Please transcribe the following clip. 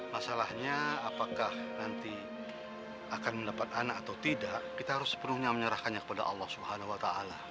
masalahnya apakah nanti akan mendapat anak atau tidak kita harus sepenuhnya menyerahkannya kepada allah swt